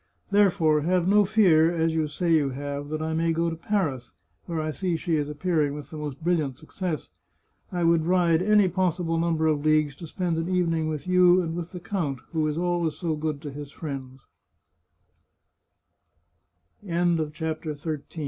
Therefore, have no fear, as you say you have, that I may go to Paris, where I see she is appearing with the most brilliant success. I would ride any possible num ber of leagues to spend an evening with you and with the count, who is always so good to